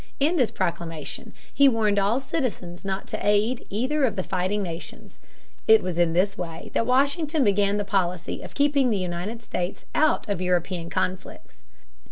In this proclamation he warned all citizens not to aid either of the fighting nations. It was in this way that Washington began the policy of keeping the United States out of European conflicts (p.